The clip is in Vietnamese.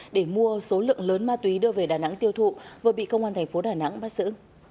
để mua số lượng lớn ma túy đưa về đà nẵng tiêu thụ vừa bị công an thành phố đà nẵng bắt giữ